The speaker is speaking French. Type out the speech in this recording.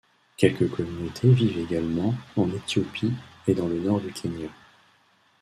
Quelques communautés vivent également en Éthiopie et dans le nord du Kenya.